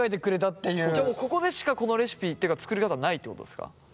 ここでしかこのレシピっていうか作り方ないってことですか？